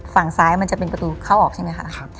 ฝั่งซ้ายมันจะเป็นประตูเข้าออกใช่ไหมคะ